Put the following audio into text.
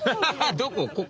どこ？